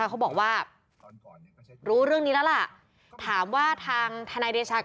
เขาบอกว่ารู้เรื่องนี้แล้วล่ะถามว่าทางทนายเดชา